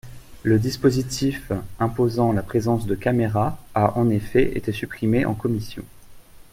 Le dispositif imposant la présence de caméras a en effet été supprimé en commission.